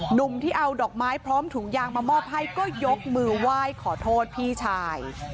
หนุ่มที่เอาดอกไม้พร้อมถุงยางมามอบให้ก็ยกมือไหว้ขอโทษพี่ชาย